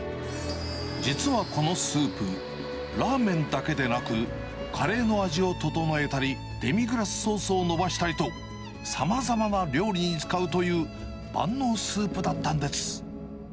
実はこのスープ、ラーメンだけでなく、カレーの味を調えたり、デミグラスソースをのばしたりと、さまざまな料理に使うという、万能スープだったんです。